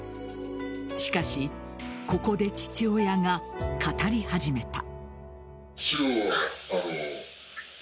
しかし、ここで父親が語り始めた。